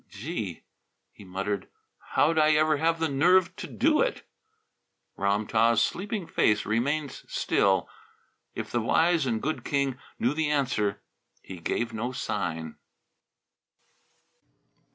"Gee!" he muttered, "how'd I ever have the nerve to do it!" Ram tah's sleeping face remained still. If the wise and good king knew the answer he gave no sign.